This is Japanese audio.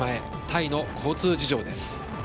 タイの交通事情です。